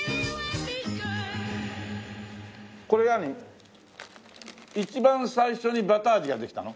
これ何一番最初にバター味ができたの？